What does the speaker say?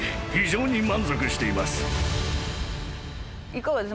いかがです？